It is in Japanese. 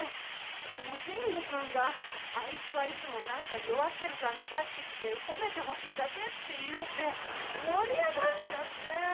でもシンゴ君があいつはいつも何か弱ってる感じ出してきて褒めてほしいだけって言いだして盛り上がっちゃって。